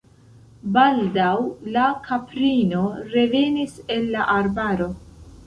Baldaŭ la kaprino revenis el la arbaro.